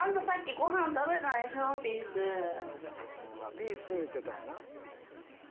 「ピースに言ってたんやな」